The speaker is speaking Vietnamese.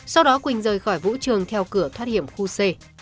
sau đó quỳnh rời khỏi vũ trường theo cửa thoát hiểm khu c